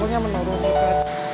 karena menurut kita